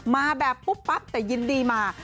มาแบบปุ๊บปั๊บแต่ยินดีมา